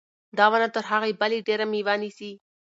دا ونه تر هغې بلې ډېره مېوه نیسي.